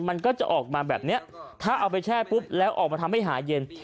มันก็จะออกมาแบบนี้ถ้าเอาไปแช่ปุ๊บแล้วออกมาทำให้หาเย็น